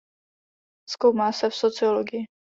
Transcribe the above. Zkoumá se v sociologii.